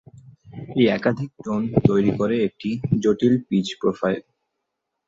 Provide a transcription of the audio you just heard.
এই একাধিক টোন তৈরি করে একটি জটিল পিচ প্রোফাইল।